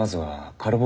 カルボ。